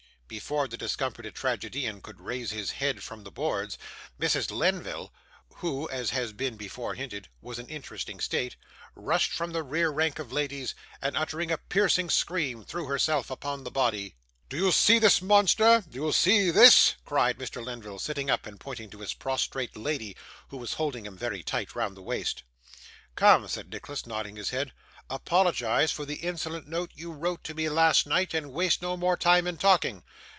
Before the discomfited tragedian could raise his head from the boards, Mrs. Lenville (who, as has been before hinted, was in an interesting state) rushed from the rear rank of ladies, and uttering a piercing scream threw herself upon the body. 'Do you see this, monster? Do you see THIS?' cried Mr. Lenville, sitting up, and pointing to his prostrate lady, who was holding him very tight round the waist. 'Come,' said Nicholas, nodding his head, 'apologise for the insolent note you wrote to me last night, and waste no more time in talking.